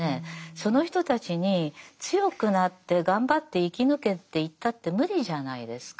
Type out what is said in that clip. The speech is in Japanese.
その人たちに強くなって頑張って生き抜けっていったって無理じゃないですか。